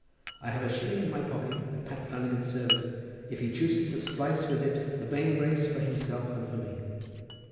I have a shilling in my pocket at Pat Flannagan's service, if he chooses to splice with it the mainbrace for himself and for me."